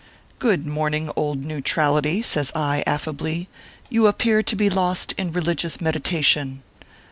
" Good morning, old Neutrality/ says I, affably, " You appear to be lost in religious meditation."